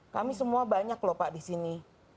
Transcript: kami semua banyak loh pak di sini